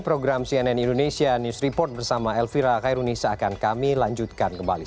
program cnn indonesia news report bersama elvira kairunisa akan kami lanjutkan kembali